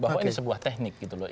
bahwa ini sebuah teknik gitu loh